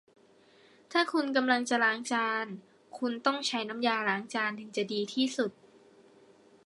ถ้าคุณกำลังจะล้างจาน คุณต้องใช้น้ำยาล้างจานถึงจะดีที่สุด